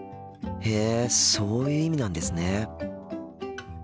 へえそういう意味なんですね。